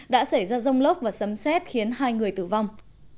đã xảy ra rông lốc và sấm xét khiến hai người tử vong